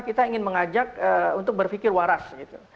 kita ingin mengajak untuk berpikir waras gitu